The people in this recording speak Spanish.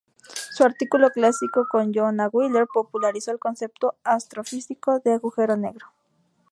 Su artículo clásico con John A. Wheeler popularizó el concepto astrofísico de agujero negro.